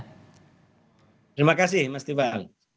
terima kasih mas iqbal